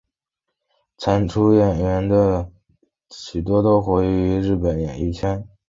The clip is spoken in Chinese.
参与演出的演员现在许多都活跃于日本演艺圈。